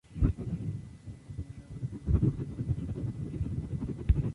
Por lo general, estas proyecciones mentales tendrían una vida corta.